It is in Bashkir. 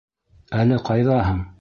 Әле ҡайҙаһың?